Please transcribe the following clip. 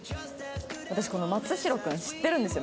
私この松代君知ってるんですよ